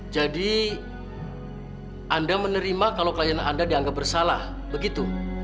jadi anda menerima kalo klien anda dianggap bersalah begitu